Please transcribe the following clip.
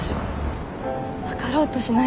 分かろうとしないで。